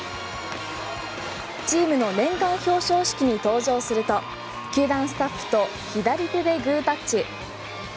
チームの年間表彰式に登場すると球団スタッフと左手でグータッチ。